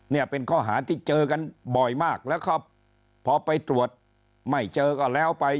เนี่ยเป็นข้อหาที่เจอกันบ่อยมากแล้วก็พอไปตรวจไม่เจอก็แล้วไป